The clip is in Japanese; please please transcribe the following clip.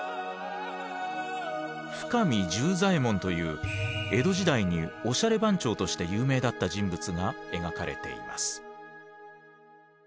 深見十左衛門という江戸時代におしゃれ番長として有名だった人物が描かれています。